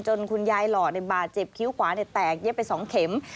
คุณยายหล่อในบาดเจ็บคิ้วขวาแตกเย็บไป๒เข็ม